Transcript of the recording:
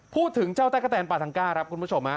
พูดถึงเจ้าตั๊กกะแตนปาทังก้าครับคุณผู้ชม